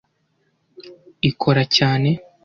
Ikora cyane